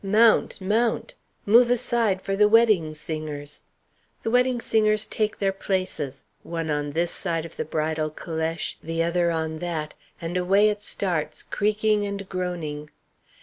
"Mount! Mount! Move aside for the wedding singers!" The wedding singers take their places, one on this side the bridal calèche, the other on that, and away it starts, creaking and groaning.